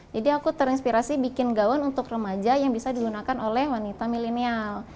jadi aku terinspirasi bikin gaun untuk remaja yang bisa digunakan oleh wanita milenial